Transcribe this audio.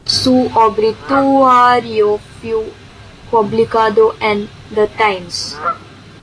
Su obituario fue publicado en "The Times".